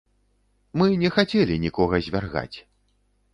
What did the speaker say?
Мы не хацелі нікога звяргаць.